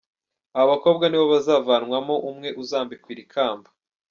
Aba bakobwa nibo bazavanwamo umwe uzambikwa iri kamba.